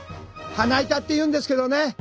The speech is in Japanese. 「花板」っていうんですけどね。